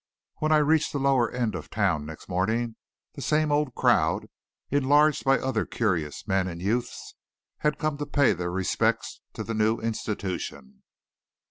When I reached the lower end of town next morning, the same old crowd, enlarged by other curious men and youths, had come to pay their respects to the new institution.